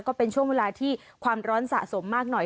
ก็เป็นช่วงเวลาที่ความร้อนสะสมมากหน่อย